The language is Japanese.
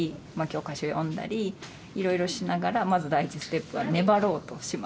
教科書読んだりいろいろしながらまず第一ステップは粘ろうとします。